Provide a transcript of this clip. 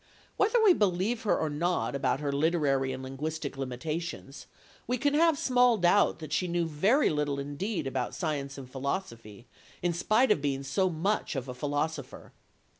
Whether we believe her or not about her literary and linguistic limitations, we can have small doubt that she knew very little indeed about science and philosophy, in spite of being so much of a philosopher.